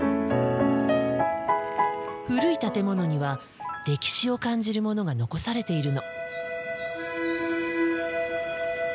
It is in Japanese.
古い建物には歴史を感じるものが残されているの。